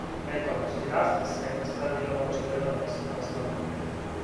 Економски раст се наставио, очигледно неослабљен.